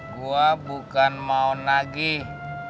gua bukan mau nagih